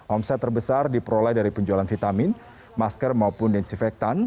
omset terbesar diperoleh dari penjualan vitamin masker maupun densinfektan